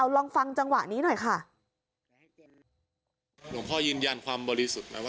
ลองฟังจังหวะนี้หน่อยค่ะหลวงพ่อยืนยันความบริสุทธิ์ไหมว่า